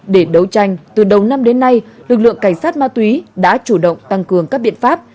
để đấu tranh từ đầu năm đến nay lực lượng cảnh sát ma túy đã chủ động tăng cường các biện pháp